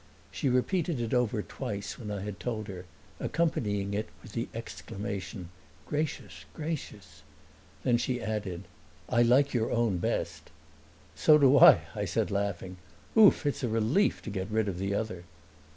She repeated it over twice when I had told her, accompanying it with the exclamation "Gracious, gracious!" Then she added, "I like your own best." "So do I," I said, laughing. "Ouf! it's a relief to get rid of the other."